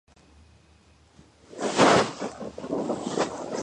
მწვერვალის დასავლეთ ნაწილში დამონტაჟებულია ანტენა.